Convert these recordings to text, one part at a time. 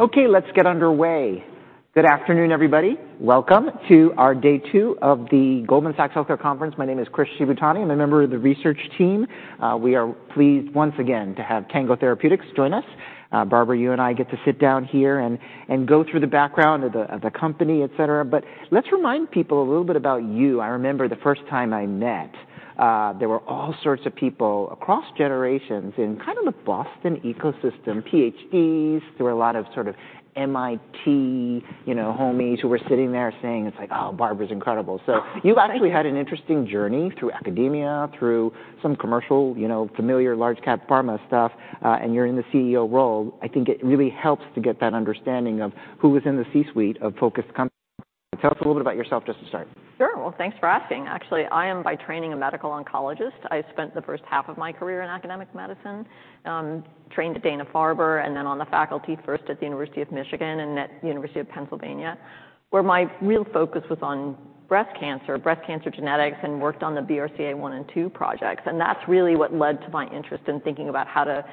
Okay, let's get underway. Good afternoon, everybody. Welcome to our day two of the Goldman Sachs Healthcare Conference. My name is Chris Shibutani. I'm a member of the research team. We are pleased once again to have Tango Therapeutics join us. Barbara, you and I get to sit down here and, and go through the background of the, of the company, et cetera, but let's remind people a little bit about you. I remember the first time I met, there were all sorts of people across generations in kind of the Boston ecosystem, PhDs. There were a lot of sort of MIT, you know, homies who were sitting there saying, it's like, "Oh, Barbara's incredible. So you've actually had an interesting journey through academia, through some commercial, you know, familiar large cap pharma stuff, and you're in the CEO role. I think it really helps to get that understanding of who was in the C-suite of focused companies. Tell us a little bit about yourself just to start. Sure. Well, thanks for asking. Actually, I am, by training, a medical oncologist. I spent the first half of my career in academic medicine. Trained at Dana-Farber, and then on the faculty, first at the University of Michigan and at University of Pennsylvania, where my real focus was on breast cancer, breast cancer genetics, and worked on the BRCA 1 and 2 projects, and that's really what led to my interest in thinking about how to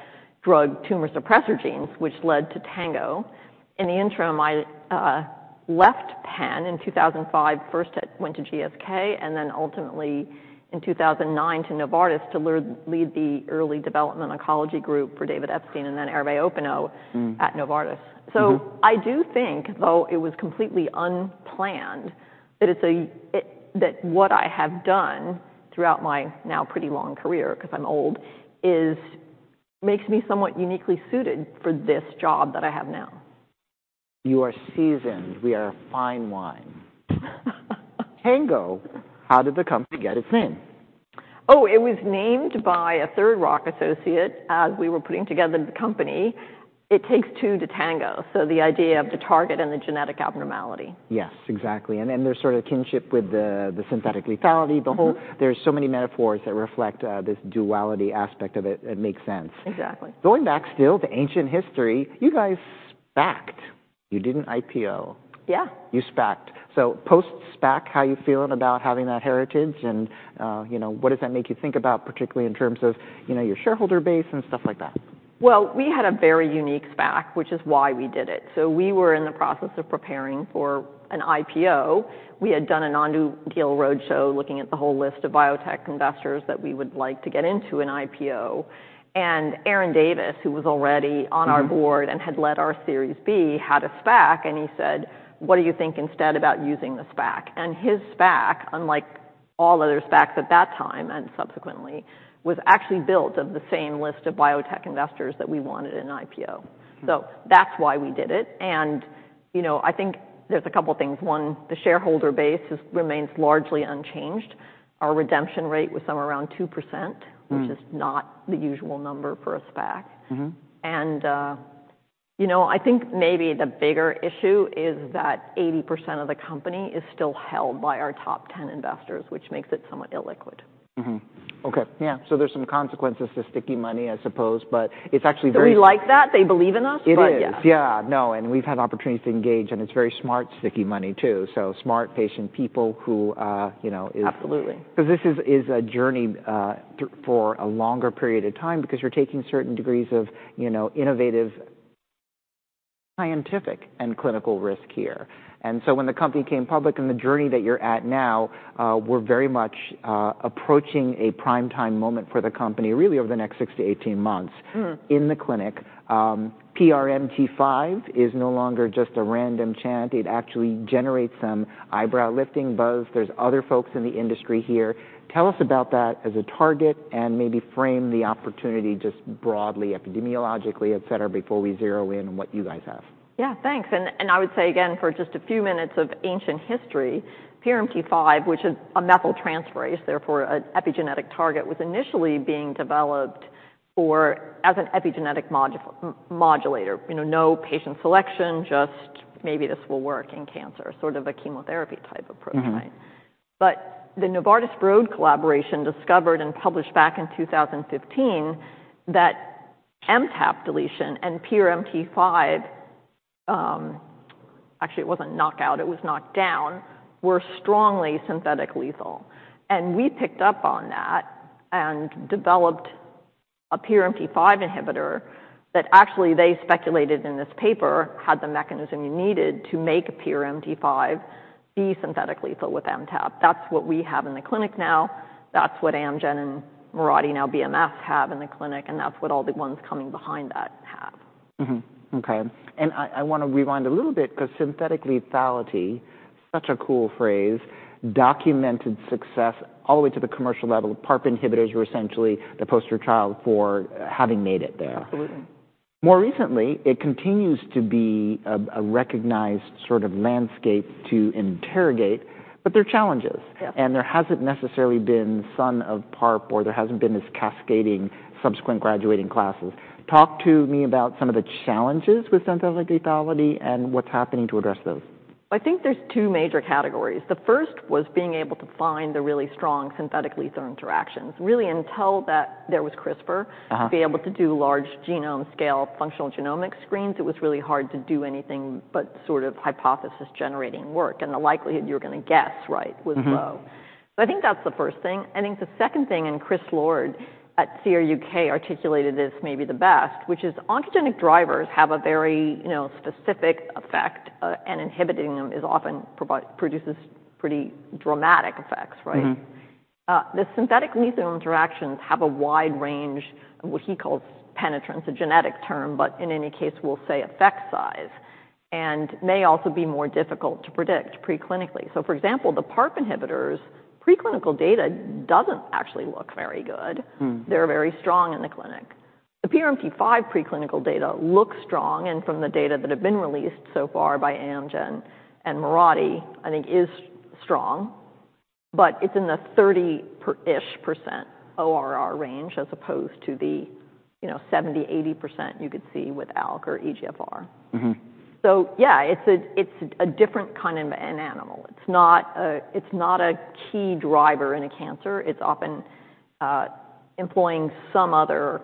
drug tumor suppressor genes, which led to Tango. In the interim, I left Penn in 2005. First, I went to GSK, and then ultimately, in 2009, to Novartis to lead the early development oncology group for David Epstein and then Hervé Hoppenot- Mm. - at Novartis. Mm-hmm. So I do think, though it was completely unplanned, that it's that what I have done throughout my now pretty long career, 'cause I'm old, is makes me somewhat uniquely suited for this job that I have now. You are seasoned. We are a fine wine. Tango, how did the company get its name? Oh, it was named by a Third Rock associate as we were putting together the company. It takes two to tango, so the idea of the target and the genetic abnormality. Yes, exactly, and then there's sort of kinship with the synthetic lethality. Mm-hmm. The whole... There's so many metaphors that reflect this duality aspect of it. It makes sense. Exactly. Going back still to ancient history, you guys SPAC'd. You didn't IPO. Yeah. You SPAC'd. So post-SPAC, how you feeling about having that heritage, and, you know, what does that make you think about, particularly in terms of, you know, your shareholder base and stuff like that? Well, we had a very unique SPAC, which is why we did it. So we were in the process of preparing for an IPO. We had done a non-deal roadshow, looking at the whole list of biotech investors that we would like to get into an IPO. And Aaron Davis, who was already on our board- Mm-hmm and had led our Series B, had a SPAC, and he said, "What do you think instead about using the SPAC?" And his SPAC, unlike all other SPACs at that time and subsequently, was actually built of the same list of biotech investors that we wanted in an IPO. Mm. So that's why we did it, and, you know, I think there's a couple things. One, the shareholder base is, remains largely unchanged. Our redemption rate was somewhere around 2%- Mm ... which is not the usual number for a SPAC. Mm-hmm. You know, I think maybe the bigger issue is that 80% of the company is still held by our top 10 investors, which makes it somewhat illiquid. Mm-hmm. Okay, yeah, so there's some consequences to sticky money, I suppose, but it's actually very- We like that. They believe in us? It is. But yeah. Yeah. No, and we've had opportunities to engage, and it's very smart, sticky money, too. So smart, patient, people who, you know, is- Absolutely. 'Cause this is a journey for a longer period of time because you're taking certain degrees of, you know, innovative, scientific, and clinical risk here. And so when the company came public and the journey that you're at now, we're very much approaching a prime time moment for the company, really over the next 6-18 months- Mm... in the clinic. PRMT5 is no longer just a random chant. It actually generates some eyebrow-lifting buzz. There's other folks in the industry here. Tell us about that as a target and maybe frame the opportunity just broadly, epidemiologically, et cetera, before we zero in on what you guys have. Yeah, thanks, and I would say again, for just a few minutes of ancient history, PRMT5, which is a methyltransferase, therefore an epigenetic target, was initially being developed for... as an epigenetic modulator. You know, no patient selection, just maybe this will work in cancer, sort of a chemotherapy type approach, right? Mm-hmm. But the Novartis-Broad collaboration discovered and published back in 2015 that MTAP deletion and PRMT5, actually, it wasn't knockout, it was knockdown, were strongly synthetic lethal. And we picked up on that and developed a PRMT5 inhibitor that actually they speculated in this paper had the mechanism you needed to make a PRMT5 be synthetically lethal with MTAP. That's what we have in the clinic now. That's what Amgen and Mirati, now BMS, have in the clinic, and that's what all the ones coming behind that have. Mm-hmm. Okay, and I wanna rewind a little bit, 'cause synthetic lethality, such a cool phrase, documented success all the way to the commercial level. PARP inhibitors were essentially the poster child for having made it there. Absolutely. More recently, it continues to be a recognized sort of landscape to interrogate, but there are challenges. Yeah. There hasn't necessarily been son of PARP, or there hasn't been this cascading, subsequent graduating classes. Talk to me about some of the challenges with synthetic lethality and what's happening to address those? I think there are two major categories. The first was being able to find the really strong synthetic lethal interactions. Really, until that there was CRISPR- Uh-huh to be able to do large genome scale functional genomic screens, it was really hard to do anything but sort of hypothesis-generating work, and the likelihood you're gonna guess right was low. Mm-hmm. So I think that's the first thing, and I think the second thing, and Chris Lord at CRUK articulated this maybe the best, which is oncogenic drivers have a very, you know, specific effect, and inhibiting them is often produces pretty dramatic effects, right? Mm-hmm.... the synthetic lethal interactions have a wide range of what he calls penetrance, a genetic term, but in any case, we'll say effect size, and may also be more difficult to predict preclinically. So for example, the PARP inhibitors, preclinical data doesn't actually look very good. Mm. They're very strong in the clinic. The PRMT5 preclinical data looks strong, and from the data that have been released so far by Amgen and Mirati, I think is strong, but it's in the 30%-ish ORR range, as opposed to the, you know, 70%, 80% you could see with ALK or EGFR. Mm-hmm. So yeah, it's a different kind of an animal. It's not a key driver in a cancer. It's often employing some other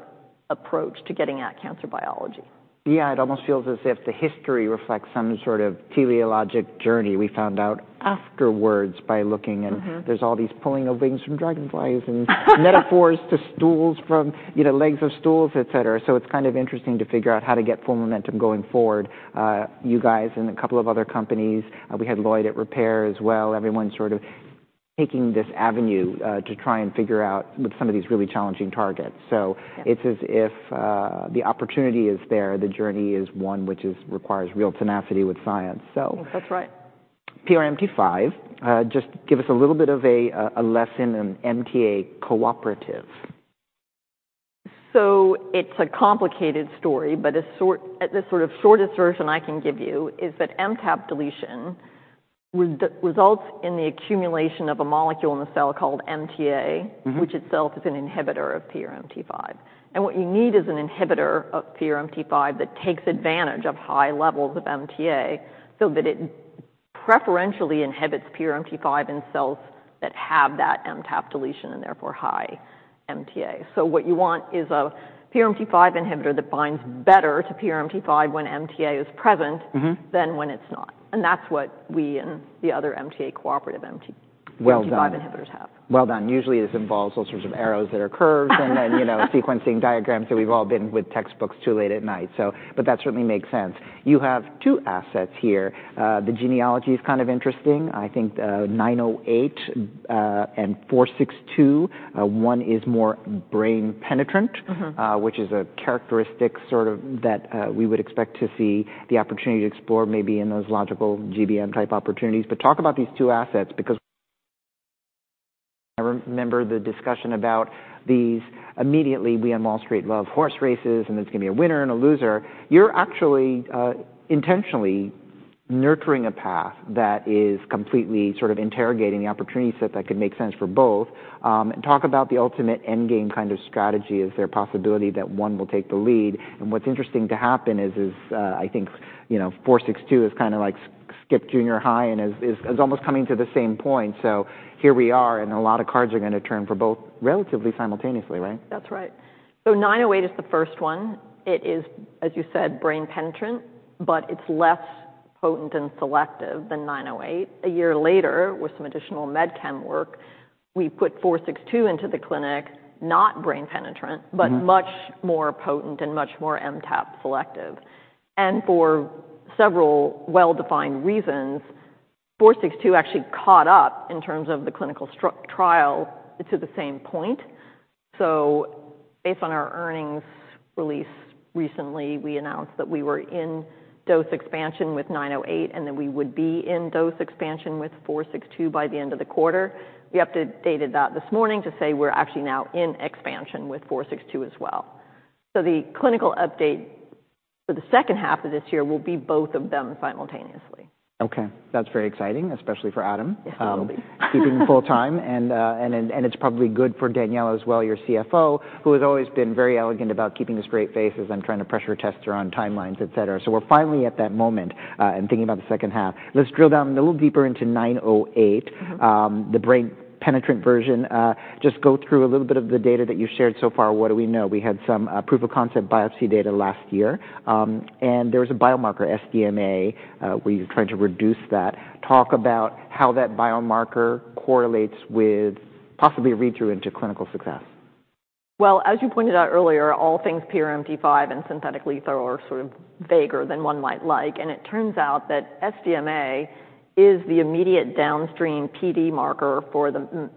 approach to getting at cancer biology. Yeah, it almost feels as if the history reflects some sort of teleological journey we found out afterwards by looking- Mm-hmm and there's all these pulling of wings from dragonflies and metaphors to stools from, you know, legs of stools, et cetera. So it's kind of interesting to figure out how to get full momentum going forward. You guys and a couple of other companies, we had Lloyd at Repair as well. Everyone sort of taking this avenue, to try and figure out with some of these really challenging targets. So Yeah... it's as if the opportunity is there, the journey is one which requires real tenacity with science so. That's right. PRMT5, just give us a little bit of a lesson in MTA cooperative? So it's a complicated story, but the sort of shortest version I can give you is that MTAP deletion results in the accumulation of a molecule in the cell called MTA- Mm-hmm - which itself is an inhibitor of PRMT5. And what you need is an inhibitor of PRMT5 that takes advantage of high levels of MTA, so that it preferentially inhibits PRMT5 in cells that have that MTAP deletion and therefore high MTA. So what you want is a PRMT5 inhibitor that binds better to PRMT5 when MTA is present- Mm-hmm than when it's not. And that's what we and the other MTA cooperative MT- Well done PRMT5 inhibitors have. Well done. Usually, this involves all sorts of arrows that are curved—and then, you know, sequencing diagrams that we've all been with textbooks too late at night. So but that certainly makes sense. You have two assets here. The genealogy is kind of interesting. I think, 908 and 462, one is more brain penetrant- Mm-hmm which is a characteristic sort of that we would expect to see the opportunity to explore maybe in those logical GBM-type opportunities. But talk about these two assets, because I remember the discussion about these. Immediately, we on Wall Street love horse races, and there's gonna be a winner and a loser. You're actually intentionally nurturing a path that is completely sort of interrogating the opportunity set that could make sense for both. Talk about the ultimate end game kind of strategy. Is there a possibility that one will take the lead? And what's interesting to happen is, I think, you know, 462 is kinda like skipped junior high and is almost coming to the same point. So here we are, and a lot of cards are gonna turn for both relatively simultaneously, right? That's right. So 908 is the first one. It is, as you said, brain penetrant, but it's less potent and selective than 908. A year later, with some additional med chem work, we put 462 into the clinic, not brain penetrant- Mm-hmm... but much more potent and much more MTAP selective. And for several well-defined reasons, 462 actually caught up in terms of the clinical study trial to the same point. So based on our earnings release recently, we announced that we were in dose expansion with 908, and then we would be in dose expansion with 462 by the end of the quarter. We updated that this morning to say we're actually now in expansion with 462 as well. So the clinical update for the second half of this year will be both of them simultaneously. Okay, that's very exciting, especially for Adam. Yes, it will be. Keeping him full time, and it's probably good for Daniella as well, your CFO, who has always been very elegant about keeping a straight face as I'm trying to pressure test her on timelines, et cetera. So we're finally at that moment, and thinking about the second half. Let's drill down a little deeper into 908. Mm-hmm. The brain penetrant version. Just go through a little bit of the data that you've shared so far. What do we know? We had some proof of concept biopsy data last year. There was a biomarker, SDMA, where you're trying to reduce that. Talk about how that biomarker correlates with possibly a read-through into clinical success. Well, as you pointed out earlier, all things PRMT5 and synthetic lethal are sort of vaguer than one might like, and it turns out that SDMA is the immediate downstream PD marker for the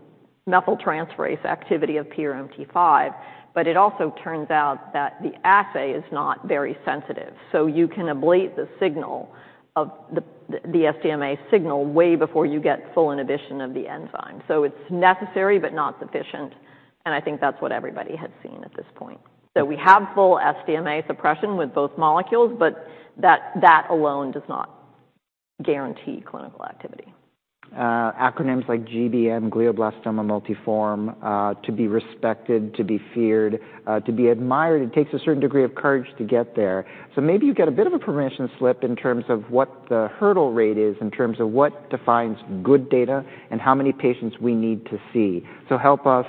methyltransferase activity of PRMT5. But it also turns out that the assay is not very sensitive, so you can ablate the signal of the SDMA signal way before you get full inhibition of the enzyme. So it's necessary but not sufficient, and I think that's what everybody has seen at this point. So we have full SDMA suppression with both molecules, but that alone does not guarantee clinical activity. Acronyms like GBM, glioblastoma multiforme, to be respected, to be feared, to be admired, it takes a certain degree of courage to get there. So maybe you get a bit of a permission slip in terms of what the hurdle rate is, in terms of what defines good data and how many patients we need to see. So help us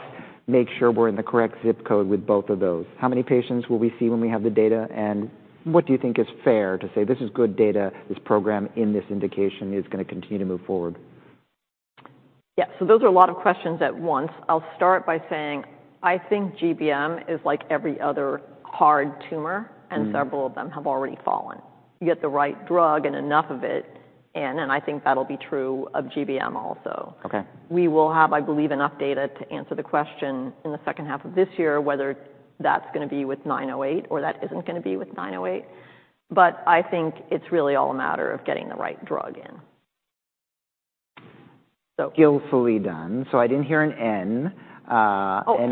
make sure we're in the correct zip code with both of those. How many patients will we see when we have the data, and what do you think is fair to say this is good data, this program, in this indication, is gonna continue to move forward? Yeah, so those are a lot of questions at once. I'll start by saying I think GBM is like every other hard tumor- Mm... and several of them have already fallen. Get the right drug and enough of it in, and I think that'll be true of GBM also. Okay. We will have, I believe, enough data to answer the question in the second half of this year, whether that's gonna be with 908 or that isn't gonna be with 908, but I think it's really all a matter of getting the right drug in. So- Skillfully done. So I didn't hear an N, and I didn't hear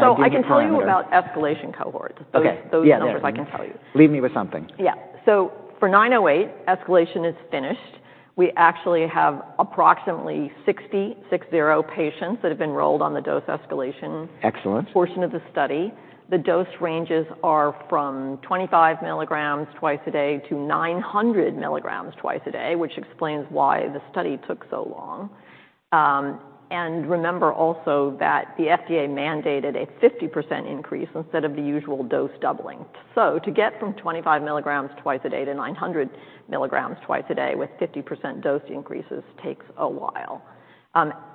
a parameter- Oh, I can tell you about escalation cohorts. Okay. Yeah, that- Those numbers I can tell you. Leave me with something. Yeah. So for TNG908, escalation is finished. We actually have approximately 66 patients that have been enrolled on the dose escalation- Excellent - portion of the study. The dose ranges are from 25 mg twice a day to 900 mg twice a day, which explains why the study took so long. Remember also that the FDA mandated a 50% increase instead of the usual dose doubling. So to get from 25 mg twice a day to 900 mg twice a day with 50% dose increases takes a while.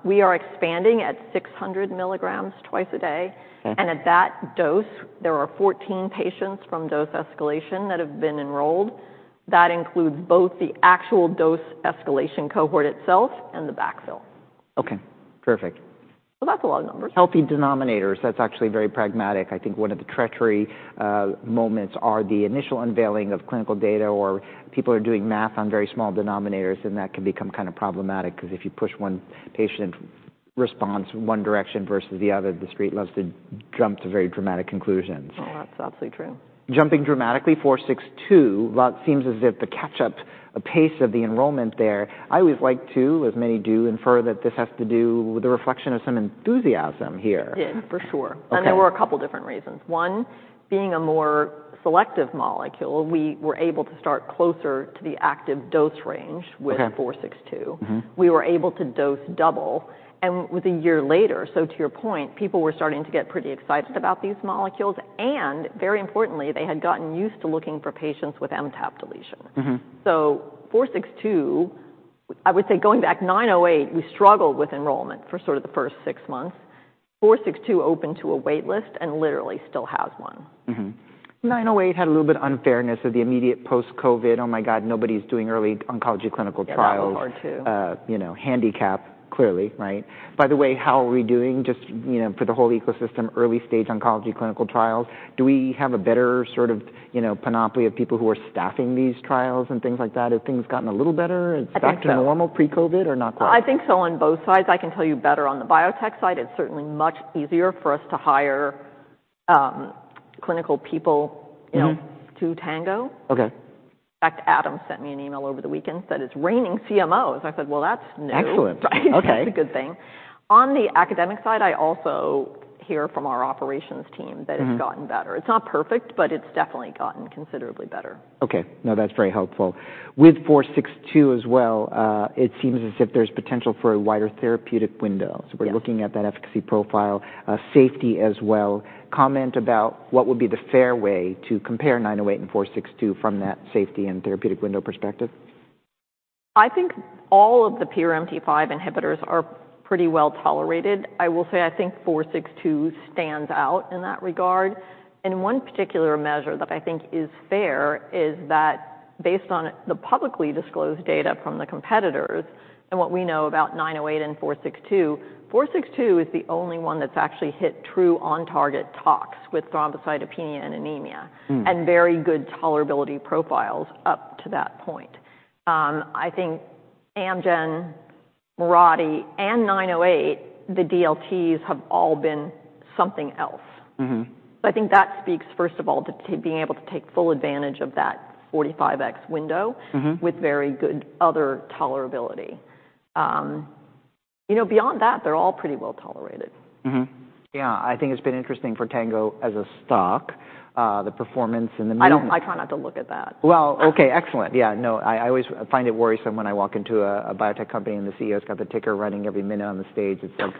We are expanding at 600 mg twice a day. Okay. At that dose, there are 14 patients from dose escalation that have been enrolled. That includes both the actual dose escalation cohort itself and the backfill. Okay, perfect. That's a lot of numbers. Healthy denominators. That's actually very pragmatic. I think one of the tricky moments are the initial unveiling of clinical data, or people are doing math on very small denominators, and that can become kind of problematic because if you push one patient response in one direction versus the other, the street loves to jump to very dramatic conclusions. Oh, that's absolutely true. Jumping dramatically, 462, well, it seems as if the catch-up, the pace of the enrollment there, I always like to, as many do, infer that this has to do with the reflection of some enthusiasm here. It is, for sure. Okay. There were a couple different reasons. One, being a more selective molecule, we were able to start closer to the active dose range- Okay - with 462. Mm-hmm. We were able to dose double, and it was a year later. So to your point, people were starting to get pretty excited about these molecules, and very importantly, they had gotten used to looking for patients with MTAP deletion. Mm-hmm. So TNG462—I would say, going back, TNG908, we struggled with enrollment for sort of the first 6 months. TNG462 opened to a wait list and literally still has one. Mm-hmm. 908 had a little bit unfairness of the immediate post-COVID, "Oh, my God, nobody's doing early oncology clinical trials"- Yeah, that was hard, too. You know, handicapped, clearly, right? By the way, how are we doing just, you know, for the whole ecosystem, early-stage oncology clinical trials? Do we have a better sort of, you know, panoply of people who are staffing these trials and things like that? Have things gotten a little better? I think so. It's back to normal pre-COVID or not quite? I think so on both sides. I can tell you better on the biotech side, it's certainly much easier for us to hire, clinical people, you know- Mm-hmm - to Tango. Okay. In fact, Adam sent me an email over the weekend, said, "It's raining CMOs." I said, "Well, that's new. Excellent. Right? Okay. It's a good thing. On the academic side, I also hear from our operations team- Mm-hmm that it's gotten better. It's not perfect, but it's definitely gotten considerably better. Okay. No, that's very helpful. With 462 as well, it seems as if there's potential for a wider therapeutic window. Yeah. We're looking at that efficacy profile, safety as well. Comment about what would be the fair way to compare 908 and 462 from that safety and therapeutic window perspective. I think all of the PRMT5 inhibitors are pretty well tolerated. I will say I think 462 stands out in that regard. One particular measure that I think is fair is that based on the publicly disclosed data from the competitors and what we know about 908 and 462, 462 is the only one that's actually hit true on-target tox with thrombocytopenia and anemia. Mm. and very good tolerability profiles up to that point. I think Amgen, Mirati, and 908, the DLTs have all been something else. Mm-hmm. So I think that speaks, first of all, to being able to take full advantage of that 45x window- Mm-hmm - with very good other tolerability. You know, beyond that, they're all pretty well tolerated. Mm-hmm. Yeah, I think it's been interesting for Tango as a stock, the performance in the media- I try not to look at that. Well, okay, excellent. Yeah, no, I, I always find it worrisome when I walk into a, a biotech company and the CEO's got the ticker running every minute on the stage. It's like,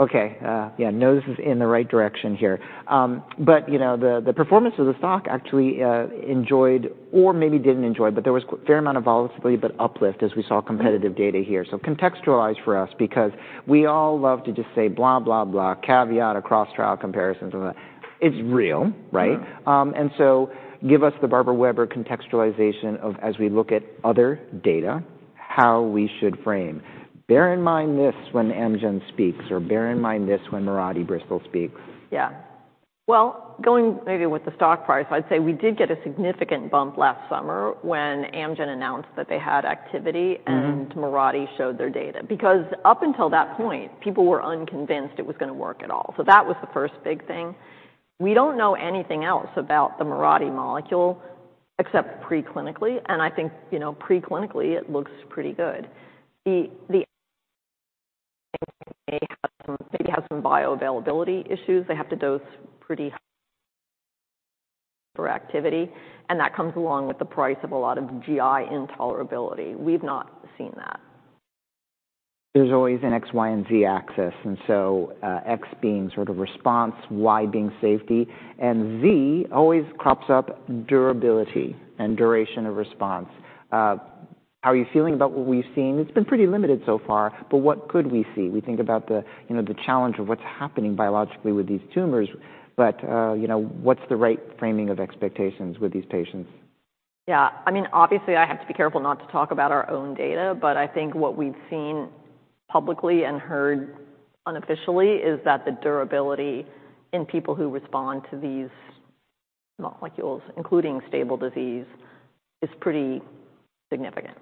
okay, yeah, nose is in the right direction here. But, you know, the, the performance of the stock actually, enjoyed or maybe didn't enjoy, but there was a fair amount of volatility, but uplift as we saw competitive data here. So contextualize for us because we all love to just say blah, blah, blah, caveat or cross-trial comparisons and that. It's real, right? Mm. And so give us the Barbara Weber contextualization of, as we look at other data, how we should frame. Bear in mind this when Amgen speaks or bear in mind this when Mirati Bristol speaks. Yeah. Well, going maybe with the stock price, I'd say we did get a significant bump last summer when Amgen announced that they had activity- Mm-hmm... and Mirati showed their data. Because up until that point, people were unconvinced it was gonna work at all. So that was the first big thing. We don't know anything else about the Mirati molecule, except pre-clinically, and I think, you know, pre-clinically, it looks pretty good. Maybe have some bioavailability issues. They have to dose pretty... for activity, and that comes along with the price of a lot of GI intolerability. We've not seen that. There's always an X, Y, and Z axis, and so, X being sort of response, Y being safety, and Z always crops up durability and duration of response. How are you feeling about what we've seen? It's been pretty limited so far, but what could we see? We think about the, you know, the challenge of what's happening biologically with these tumors, but, you know, what's the right framing of expectations with these patients? Yeah. I mean, obviously, I have to be careful not to talk about our own data, but I think what we've seen publicly and heard unofficially is that the durability in people who respond to these molecules, including stable disease, is pretty significant.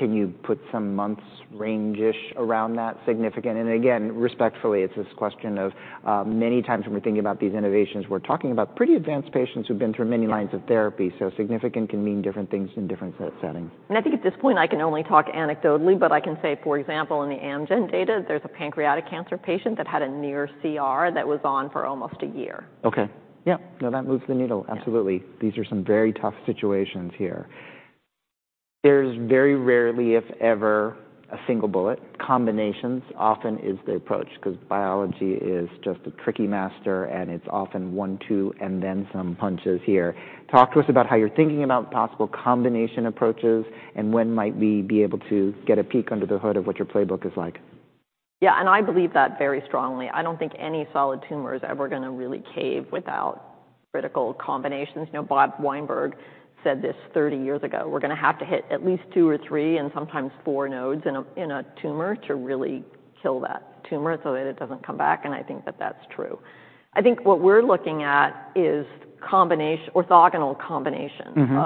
Can you put some months range-ish around that significant? And again, respectfully, it's this question of, many times when we're thinking about these innovations, we're talking about pretty advanced patients who've been through many lines- Yeah of therapy, so significant can mean different things in different settings. I think at this point I can only talk anecdotally, but I can say, for example, in the Amgen data, there's a pancreatic cancer patient that had a near CR that was on for almost a year. Okay. Yeah. No, that moves the needle. Yeah. Absolutely. These are some very tough situations here. There's very rarely, if ever, a single bullet. Combinations often is the approach, 'cause biology is just a tricky master, and it's often one, two, and then some punches here. Talk to us about how you're thinking about possible combination approaches, and when might we be able to get a peek under the hood of what your playbook is like? Yeah, and I believe that very strongly. I don't think any solid tumor is ever gonna really cave without critical combinations. You know, Bob Weinberg said this 30 years ago, "We're gonna have to hit at least two or three, and sometimes four nodes in a, in a tumor to really kill that tumor so that it doesn't come back," and I think that that's true. I think what we're looking at is combinat-- orthogonal combinations- Mm-hmm...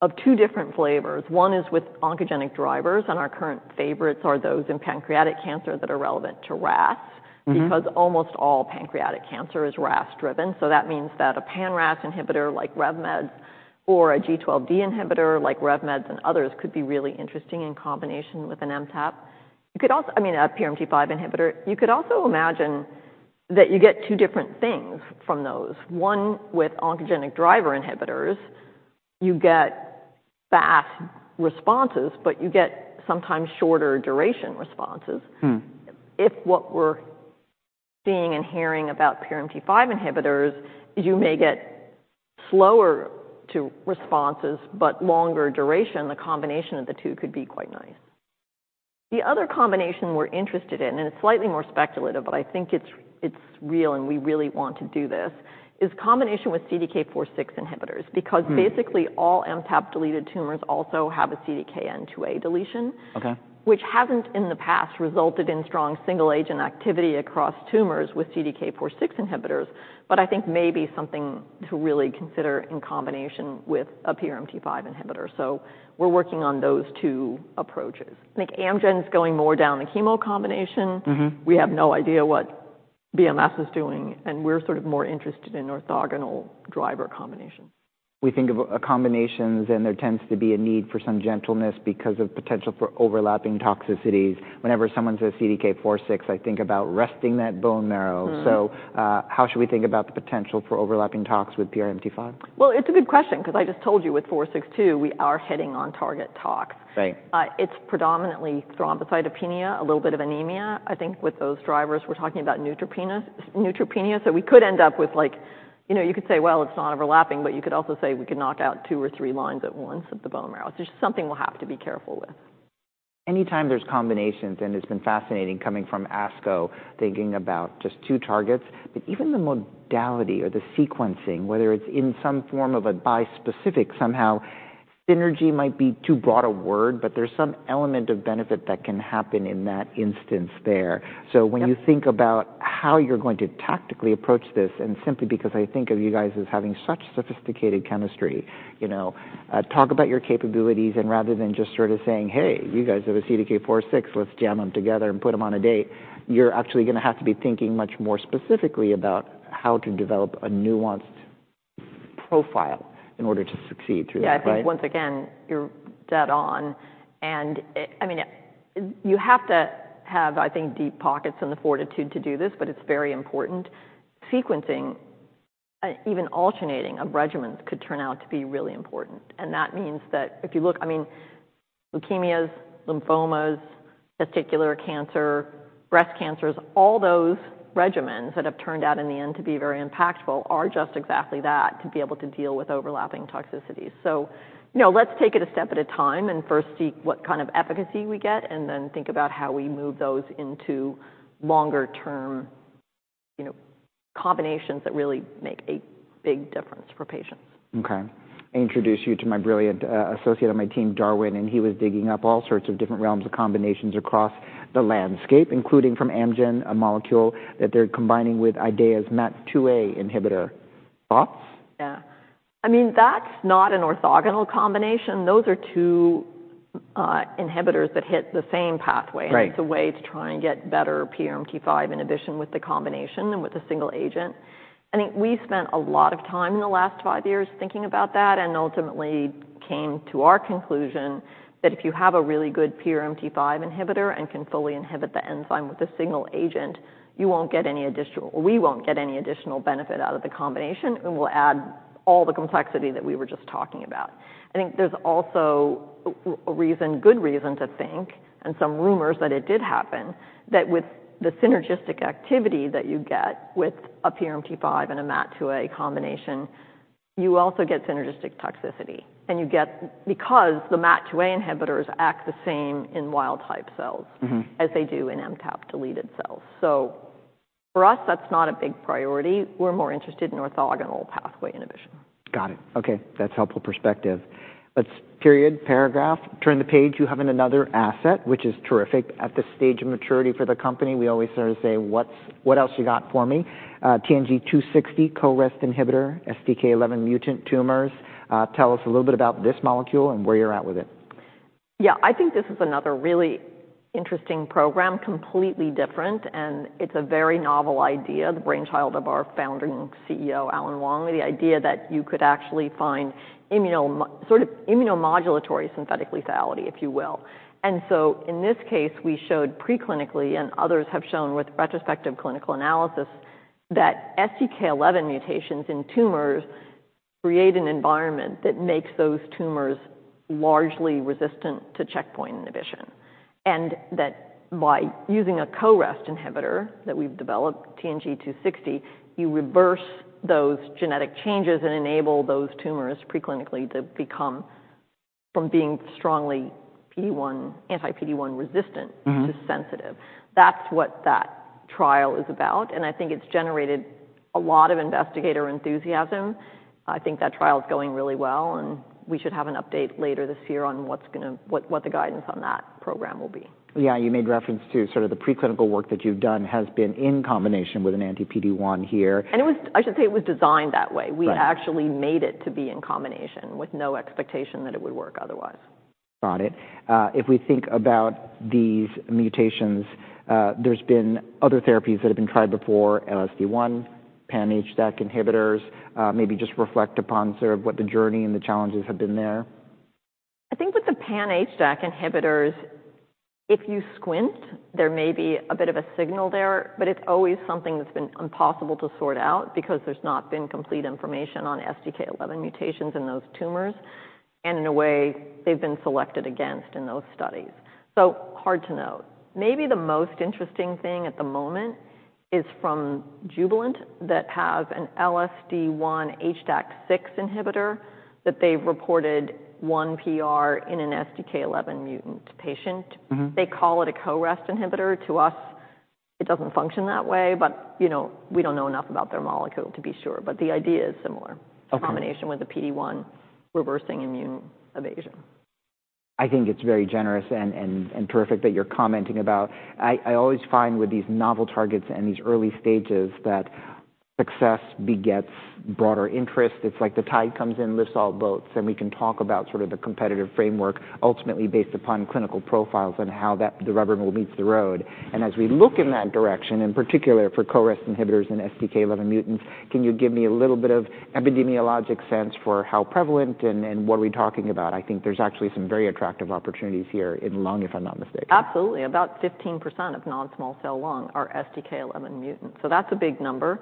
of two different flavors. One is with oncogenic drivers, and our current favorites are those in pancreatic cancer that are relevant to RAS- Mm-hmm because almost all pancreatic cancer is RAS-driven. So that means that a KRAS inhibitor, like RevMed, or a G12D inhibitor, like RevMed's and others, could be really interesting in combination with an MTAP. You could also... I mean, a PRMT5 inhibitor. You could also imagine that you get two different things from those. One, with oncogenic driver inhibitors, you get fast responses, but you get sometimes shorter duration responses. Hmm. If what we're seeing and hearing about PRMT5 inhibitors, you may get slower responses, but longer duration, the combination of the two could be quite nice. The other combination we're interested in, and it's slightly more speculative, but I think it's real and we really want to do this, is combination with CDK4/6 inhibitors. Hmm. Because basically, all MTAP-deleted tumors also have a CDKN2A deletion- Okay ... which hasn't, in the past, resulted in strong single-agent activity across tumors with CDK4/6 inhibitors, but I think may be something to really consider in combination with a PRMT5 inhibitor. So we're working on those two approaches. I think Amgen's going more down the chemo combination. Mm-hmm. We have no idea what BMS is doing, and we're sort of more interested in orthogonal driver combinations. We think of combinations, and there tends to be a need for some gentleness because of potential for overlapping toxicities. Whenever someone says CDK4/6, I think about resting that bone marrow. Mm. So, how should we think about the potential for overlapping tox with PRMT5? Well, it's a good question, 'cause I just told you with 4/62, we are hitting on target tox. Right. It's predominantly thrombocytopenia, a little bit of anemia. I think with those drivers, we're talking about neutropenia. So we could end up with, like... You know, you could say, "Well, it's not overlapping," but you could also say, "We could knock out two or three lines at once at the bone marrow." So just something we'll have to be careful with. Anytime there's combinations, and it's been fascinating coming from ASCO, thinking about just two targets, but even the modality or the sequencing, whether it's in some form of a bispecific. Somehow, synergy might be too broad a word, but there's some element of benefit that can happen in that instance there. Yeah. So when you think about how you're going to tactically approach this, and simply because I think of you guys as having such sophisticated chemistry, you know, talk about your capabilities, and rather than just sort of saying, "Hey, you guys have a CDK4/6, let's jam them together and put them on a date," you're actually gonna have to be thinking much more specifically about how to develop a nuanced profile in order to succeed through that, right? Yeah. I think, once again, you're dead on, and it... I mean, you have to have, I think, deep pockets and the fortitude to do this, but it's very important. Sequencing, even alternating of regimens could turn out to be really important, and that means that if you look-- I mean, leukemias, lymphomas, testicular cancer, breast cancers, all those regimens that have turned out in the end to be very impactful are just exactly that, to be able to deal with overlapping toxicities. So, you know, let's take it a step at a time and first see what kind of efficacy we get, and then think about how we move those into longer term, you know, combinations that really make a big difference for patients. Okay. I introduced you to my brilliant associate on my team, Darwin, and he was digging up all sorts of different realms of combinations across the landscape, including from Amgen, a molecule that they're combining with Idea's MAT2A inhibitor. Thoughts? Yeah. I mean, that's not an orthogonal combination. Those are two inhibitors that hit the same pathway. Right. It's a way to try and get better PRMT5 inhibition with the combination than with a single agent. I think we spent a lot of time in the last five years thinking about that, and ultimately came to our conclusion that if you have a really good PRMT5 inhibitor and can fully inhibit the enzyme with a single agent, you won't get any additional-- we won't get any additional benefit out of the combination, and we'll add all the complexity that we were just talking about. I think there's also a, a reason, good reason to think, and some rumors that it did happen, that with the synergistic activity that you get with a PRMT5 and a MAT2A combination-... you also get synergistic toxicity, and you get-- because the MAT2A inhibitors act the same in wild-type cells- Mm-hmm. as they do in MTAP-deleted cells. So for us, that's not a big priority. We're more interested in orthogonal pathway inhibition. Got it. Okay, that's helpful perspective. Let's period, paragraph, turn the page. You have another asset, which is terrific. At this stage of maturity for the company, we always sort of say, "What's-- What else you got for me?" TNG260, coREST inhibitor, STK11 mutant tumors. Tell us a little bit about this molecule and where you're at with it. Yeah, I think this is another really interesting program, completely different, and it's a very novel idea, the brainchild of our founding CEO, Alan Huang. The idea that you could actually find immuno- sort of immunomodulatory synthetic lethality, if you will. And so in this case, we showed preclinically, and others have shown with retrospective clinical analysis, that STK11 mutations in tumors create an environment that makes those tumors largely resistant to checkpoint inhibition. And that by using a coREST inhibitor that we've developed, TNG260, you reverse those genetic changes and enable those tumors preclinically to become from being strongly PD-1, anti-PD-1 resistant- Mm-hmm. to sensitive. That's what that trial is about, and I think it's generated a lot of investigator enthusiasm. I think that trial is going really well, and we should have an update later this year on what's gonna—what the guidance on that program will be. Yeah, you made reference to sort of the preclinical work that you've done has been in combination with an anti-PD-1 here. It was. I should say it was designed that way. Right. We actually made it to be in combination with no expectation that it would work otherwise. Got it. If we think about these mutations, there's been other therapies that have been tried before, LSD-1, pan-HDAC inhibitors. Maybe just reflect upon sort of what the journey and the challenges have been there. I think with the pan-HDAC inhibitors, if you squint, there may be a bit of a signal there, but it's always something that's been impossible to sort out because there's not been complete information on STK11 mutations in those tumors, and in a way, they've been selected against in those studies. So hard to know. Maybe the most interesting thing at the moment is from Jubilant, that have an LSD1 HDAC6 inhibitor, that they've reported one PR in an STK11 mutant patient. Mm-hmm. They call it a coREST inhibitor. To us, it doesn't function that way, but, you know, we don't know enough about their molecule to be sure, but the idea is similar- Okay. in combination with the PD-1 reversing immune evasion. I think it's very generous and perfect that you're commenting about... I always find with these novel targets and these early stages, that success begets broader interest. It's like the tide comes in, lifts all boats, and we can talk about sort of the competitive framework ultimately based upon clinical profiles and how that the rubber meets the road. And as we look in that direction, in particular for coREST inhibitors and STK11 mutants, can you give me a little bit of epidemiologic sense for how prevalent and what are we talking about? I think there's actually some very attractive opportunities here in lung, if I'm not mistaken. Absolutely. About 15% of non-small cell lung are STK11 mutant, so that's a big number.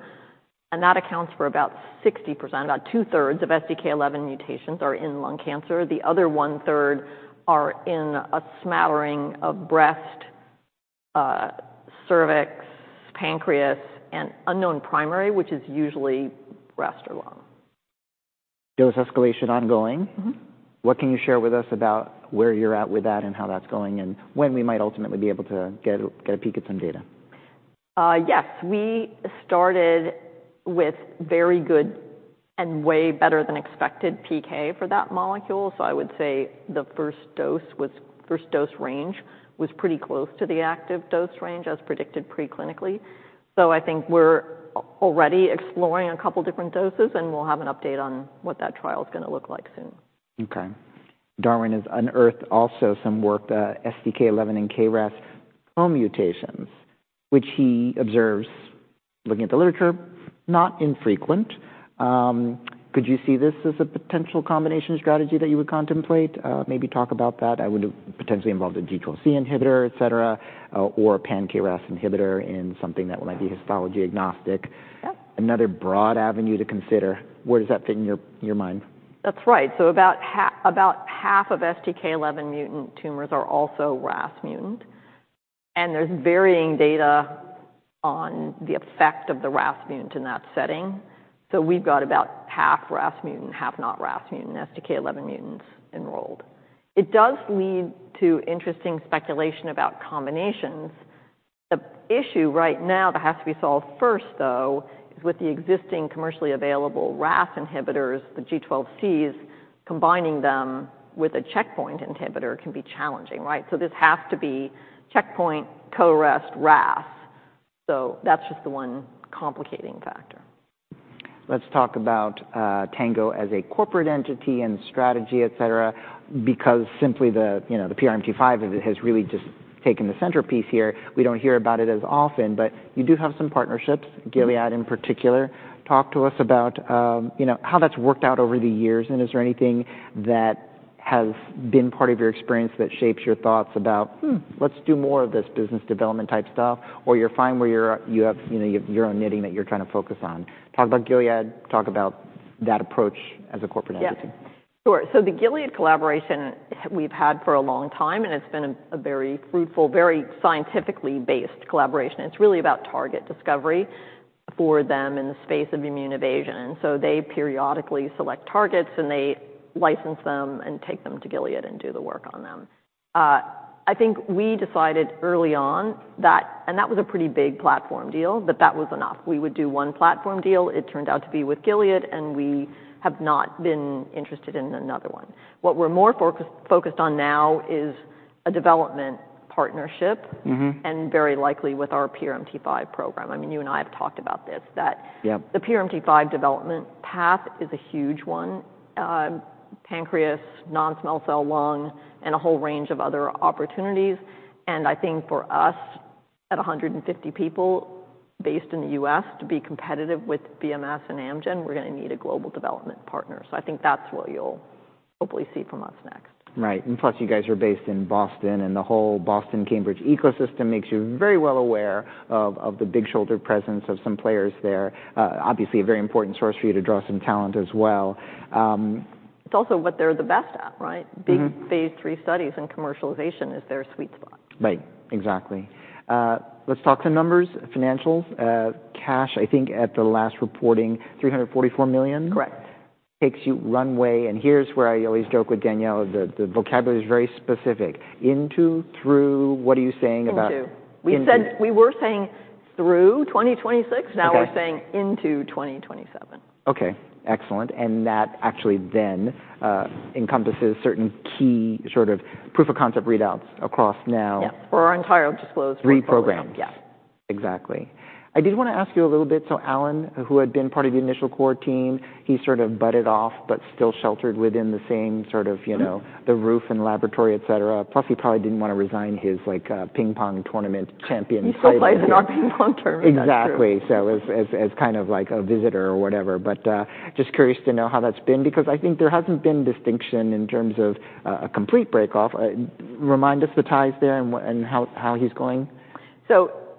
That accounts for about 60%. About two-thirds of STK11 mutations are in lung cancer. The other one-third are in a smattering of breast, cervix, pancreas, and unknown primary, which is usually breast or lung. Dose escalation ongoing? Mm-hmm. What can you share with us about where you're at with that and how that's going, and when we might ultimately be able to get a, get a peek at some data? Yes. We started with very good and way better than expected PK for that molecule, so I would say the first dose range was pretty close to the active dose range as predicted preclinically. So I think we're already exploring a couple different doses, and we'll have an update on what that trial is gonna look like soon. Okay. Darwin has unearthed also some work, STK11 and KRAS co-mutations, which he observes, looking at the literature, not infrequent. Could you see this as a potential combination strategy that you would contemplate? Maybe talk about that. That would have potentially involved a G12C inhibitor, et cetera, or a pan-KRAS inhibitor in something that might be histology-agnostic. Yep. Another broad avenue to consider. Where does that fit in your mind? That's right. So about half of STK11 mutant tumors are also RAS mutant, and there's varying data on the effect of the RAS mutant in that setting. So we've got about half RAS mutant, half not RAS mutant, STK11 mutants enrolled. It does lead to interesting speculation about combinations. The issue right now that has to be solved first, though, is with the existing commercially available RAS inhibitors, the G12Cs, combining them with a checkpoint inhibitor can be challenging, right? So this has to be checkpoint coREST RAS. So that's just the one complicating factor. Let's talk about Tango as a corporate entity and strategy, et cetera, because simply the, you know, the PRMT5 has really just taken the centerpiece here. We don't hear about it as often, but you do have some partnerships- Mm-hmm. -Gilead in particular. Talk to us about, you know, how that's worked out over the years, and is there anything that has been part of your experience that shapes your thoughts about, "Hmm, let's do more of this business development type stuff," or you're fine where you're at, you have, you know, you have your own knitting that you're trying to focus on? Talk about Gilead, talk about that approach as a corporate entity.... Sure. So the Gilead collaboration, we've had for a long time, and it's been a, a very fruitful, very scientifically based collaboration. It's really about target discovery for them in the space of immune evasion. So they periodically select targets, and they license them, and take them to Gilead, and do the work on them. I think we decided early on that-- and that was a pretty big platform deal, but that was enough. We would do one platform deal. It turned out to be with Gilead, and we have not been interested in another one. What we're more focused on now is a development partnership- Mm-hmm. and very likely with our PRMT5 program. I mean, you and I have talked about this, that- Yep. The PRMT5 development path is a huge one. Pancreas, non-small cell lung, and a whole range of other opportunities. And I think for us, at 150 people based in the US, to be competitive with BMS and Amgen, we're gonna need a global development partner. So I think that's what you'll hopefully see from us next. Right. And plus, you guys are based in Boston, and the whole Boston-Cambridge ecosystem makes you very well aware of the big shadow presence of some players there. Obviously, a very important source for you to draw some talent as well. It's also what they're the best at, right? Mm-hmm. Big phase III studies and commercialization is their sweet spot. Right. Exactly. Let's talk some numbers, financials. Cash, I think, at the last reporting, $344 million? Correct. Takes your runway, and here's where I always joke with Daniella, the vocabulary is very specific, into, through, what are you saying about- Into. Into. We were saying through 2026. Okay. Now we're saying into 2027. Okay, excellent, and that actually then encompasses certain key sort of proof of concept readouts across now- Yeah, for our entire disclosed program. Three programs. Yeah. Exactly. I did wanna ask you a little bit, so Alan, who had been part of the initial core team, he sort of budded off, but still sheltered within the same sort of, you know- Mm-hmm... the roof and laboratory, et cetera. Plus, he probably didn't want to resign his, like, ping pong tournament champion title. He still plays in our ping pong tournament. That's true. Exactly, so, as kind of like a visitor or whatever. But, just curious to know how that's been, because I think there hasn't been distinction in terms of a complete breakoff. Remind us the ties there and what and how he's going?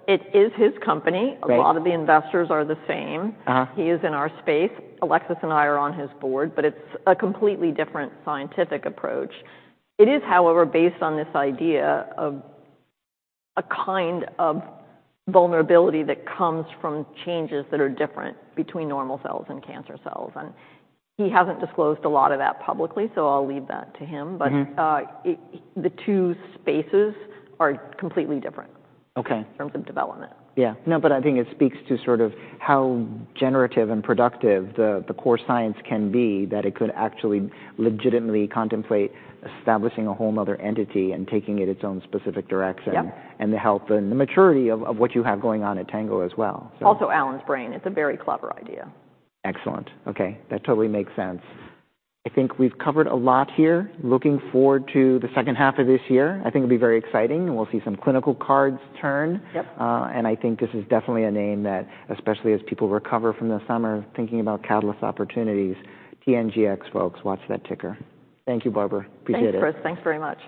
It is his company. Right. A lot of the investors are the same. Uh-huh. He is in our space. Alexis and I are on his board, but it's a completely different scientific approach. It is, however, based on this idea of a kind of vulnerability that comes from changes that are different between normal cells and cancer cells, and he hasn't disclosed a lot of that publicly, so I'll leave that to him. Mm-hmm. But, the two spaces are completely different- Okay -in terms of development. Yeah. No, but I think it speaks to sort of how generative and productive the core science can be, that it could actually legitimately contemplate establishing a whole other entity and taking it its own specific direction- Yep... and the health and the maturity of what you have going on at Tango as well, so. Also, Alan's brain. It's a very clever idea. Excellent. Okay, that totally makes sense. I think we've covered a lot here. Looking forward to the second half of this year, I think it'll be very exciting, and we'll see some clinical cards turn. Yep. I think this is definitely a name that, especially as people recover from the summer, thinking about catalyst opportunities, TNGX, folks, watch that ticker. Thank you, Barbara. Appreciate it. Thanks, Chris. Thanks very much.